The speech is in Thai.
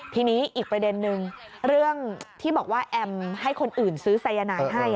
ทีนี้อีกประเด็นนึงเรื่องที่บอกว่าแอมให้คนอื่นซื้อสายนายให้